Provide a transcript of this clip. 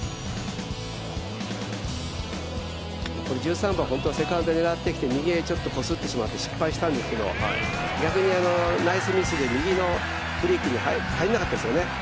これ１３番、本当はセカンドで右へちょっとこすってしまって失敗したんですけども逆にナイスミスで右のクリークに入らなかったんですよね。